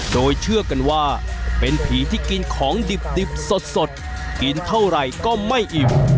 โดยเชื่อกันว่าเป็นผีที่กินของดิบสดกินเท่าไหร่ก็ไม่อิ่ม